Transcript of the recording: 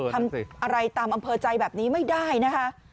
ทำอะไรตามอำเภอใจแบบนี้ไม่ได้นะคะ